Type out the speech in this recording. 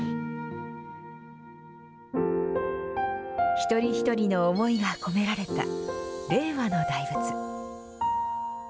一人一人の思いが込められた令和の大仏。